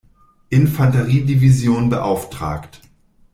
Infanterie-Division beauftragt.